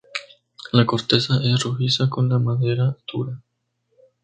La corteza es rojiza con la madera dura.